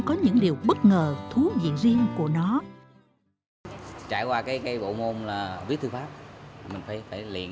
có những điều bất ngờ thú vị riêng của nó trải qua cái bộ môn là viết thư pháp mình phải liền